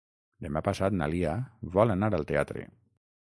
Demà passat na Lia vol anar al teatre.